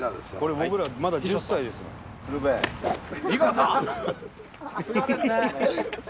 さすがですね。